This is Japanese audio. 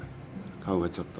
顔がちょっと。